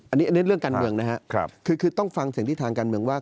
อันนี้เรื่องการเมืองนะครับคือต้องฟังเสียงที่ทางการเมืองว่า